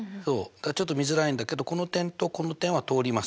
ちょっと見づらいんだけどこの点とこの点は通ります。